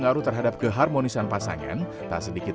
lalu menjauhkan métode mencintai tempoh